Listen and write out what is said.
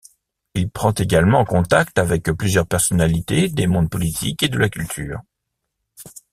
Il prend également contact avec plusieurs personnalités des mondes politique et de la culture.